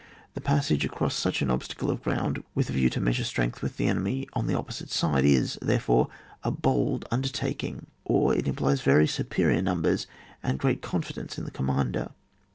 The passage across such an obstacle of ground with a view to measure strength with the enemy on the opposite side is, therefore, a bold imdertaking, or it im plies very superior numbers and great confidence in the commander.